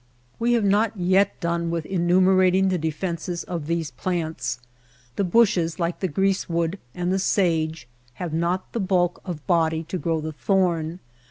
We have not yet done with enumerating the defenses of these plants. The bushes like the greasewood and the sage have not the bulk of body to grow the thorn.